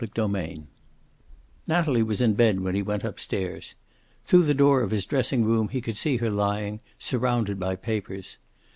CHAPTER II Natalie was in bed when he went up stairs. Through the door of his dressing room he could see her lying, surrounded by papers.